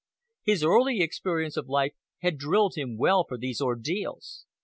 His early experience of life had drilled him well for these ordeals.